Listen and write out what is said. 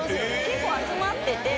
結構集まってて。